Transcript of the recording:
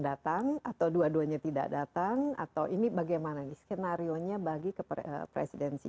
datang atau dua duanya tidak datang atau ini bagaimana skenario nya bagi ke presidensi